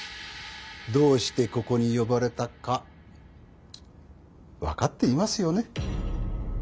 どうしてここに呼ばれたか分かっていますよね？